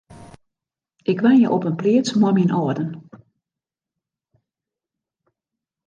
Ik wenje op in pleats mei myn âlden.